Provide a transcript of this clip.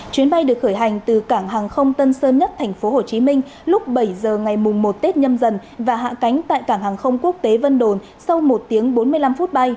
chuyến bay được khởi hành từ cảng hàng không tân sơn nhất tp hcm lúc bảy giờ ngày một tết nhâm dần và hạ cánh tại cảng hàng không quốc tế vân đồn sau một tiếng bốn mươi năm phút bay